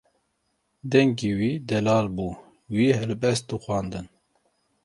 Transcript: Dengê wî delal bû, wî helbest dixwandin.